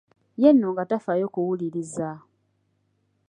Ye nno nga tafaayo kuwuliriza